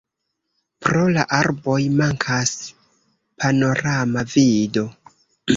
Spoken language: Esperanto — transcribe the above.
Pro la arboj mankas panorama vido.